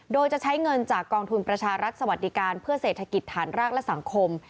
โดยจะใช้เงินจากกองทุนประชารัฐสวัสดิการเพื่อเศรษฐกิจฐานรากและสังคม